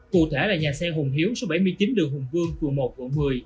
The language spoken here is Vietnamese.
cụ thể là nhà xe hùng hiếu số bảy mươi chín đường hùng vương quận một quận một mươi